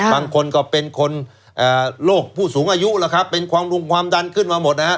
บางคนก็เป็นคนโลกผู้สูงอายุเป็นความดันขึ้นมาหมด